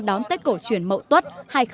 đón tết cổ chuyển mậu tuất hai nghìn một mươi tám